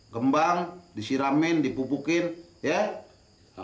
kembang disiramin dipupukin ya